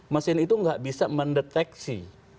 mesin itu nggak bisa mendeteksi